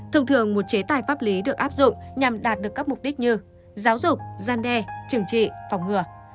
thông thường một chế tài pháp lý được áp dụng nhằm đạt được các mục đích như giáo dục gian đe trừng trị phòng ngừa